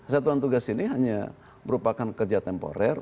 satuan tugas ini hanya merupakan kerja temporer